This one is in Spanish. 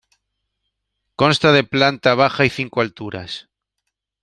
Consta de planta baja y cinco alturas.